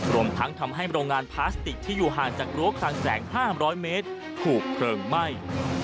รวมทั้งทำให้โรงงานพลาสติกที่อยู่ห่างจากรั้วคลังแสง๕๐๐เมตรถูกเพลิงไหม้